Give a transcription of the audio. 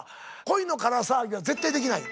「恋のから騒ぎ」は絶対できない。